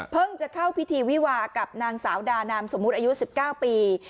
จะเข้าพิธีวิวากับนางสาวดานามสมมุติอายุ๑๙ปี